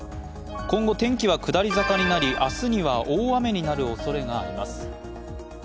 今後、天気は下り坂になり明日には大雨になるおそれがあります。